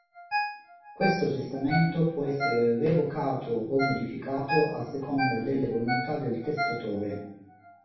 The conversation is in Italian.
Questo testamento può essere revocato o modificato a seconda delle volontà del testatore.